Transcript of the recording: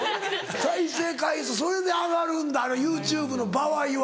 再生回数それで上がるんだＹｏｕＴｕｂｅの場合は。